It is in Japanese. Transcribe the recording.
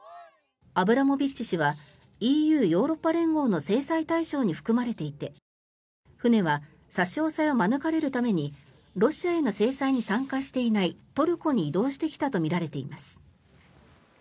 アブラモビッチ氏はＥＵ・ヨーロッパ連合の制裁対象に含まれていて船は差し押さえを免れるためにロシアへの制裁に参加していないトルコに移動してきたとみられています。